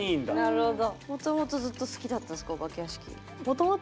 なるほど。